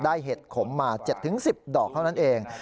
เห็ดขมมา๗๑๐ดอกเท่านั้นเอง